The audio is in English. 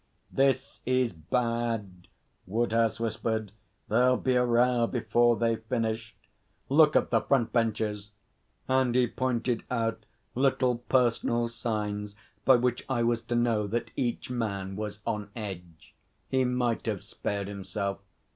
'This is bad!' Woodhouse whispered. 'There'll be a row before they've finished. Look at the Front Benches!' And he pointed out little personal signs by which I was to know that each man was on edge. He might have spared himself.